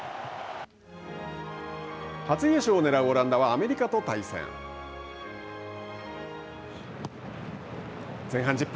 初優勝をねらうオランダは、アメリカと対戦。前半１０分。